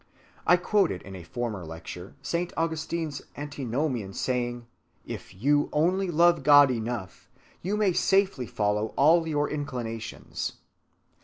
I quoted in a former lecture Saint Augustine's antinomian saying: If you only love God enough, you may safely follow all your inclinations.